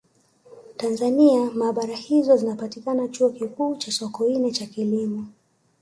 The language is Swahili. Tanzania maabara hizo zinapatikana Chuo Kikuu cha Sokoine cha Kilimo